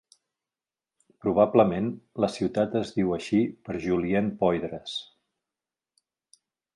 Probablement, la ciutat es diu així per Julien Poydras.